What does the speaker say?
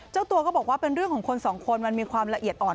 เจ้าตัวก็บอกว่าเป็นเรื่องของคนสองคนมันมีความละเอียดอ่อน